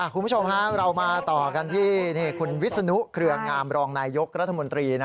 คุณผู้ชมเรามาต่อกันที่คุณวิศนุเครืองามรองนายยกรัฐมนตรี